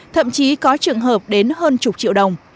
thậm chí có trường hợp đến hơn chục triệu đồng